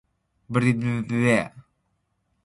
ciqauyaq